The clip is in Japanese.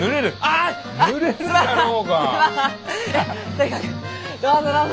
とにかくどうぞどうぞ。